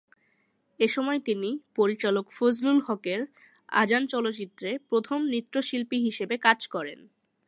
এসময় তিনি পরিচালক ফজলুল হকের "আজান" চলচ্চিত্রে প্রথম নৃত্যশিল্পী হিসেবে কাজ করেন।